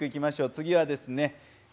次はですねえ